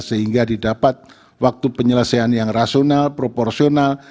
sehingga didapat waktu penyelesaian yang rasional proporsional